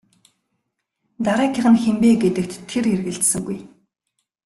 Дараагийнх нь хэн бэ гэдэгт тэр эргэлзсэнгүй.